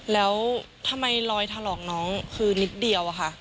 แล้วทำไมรอยถลอกน้องคือนิดเดียวอะค่ะ